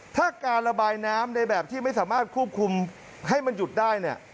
ถ้าการระบายน้ำในแบบที่ไม่สามารถควบคุมให้มันหยุดได้เนี่ย